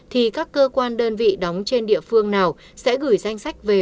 thì các cơ quan đơn vị đóng trên địa phương nào sẽ gửi danh sách về